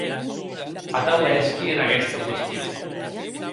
Atau hèsqui en aguesta qüestion.